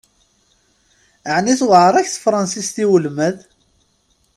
Ɛni tewεeṛ-ak tefransist i ulmad?